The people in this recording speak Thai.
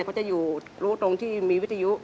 เขาจะอยู่รู้ตรงที่มีวิทยุ